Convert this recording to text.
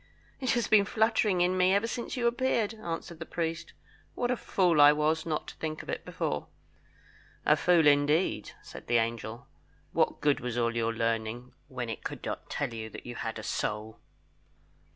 "It has been fluttering in me ever since you appeared," answered the priest. "What a fool I was not to think of it before." "A fool, indeed," said the angel. "What good was all your learning, when it could not tell you that you had a soul?"